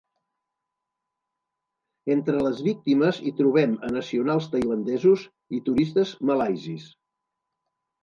Entre les víctimes hi trobem a nacionals tailandesos i turistes malaisis.